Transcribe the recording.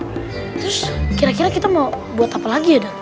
terus kira kira kita mau buat apa lagi ya dak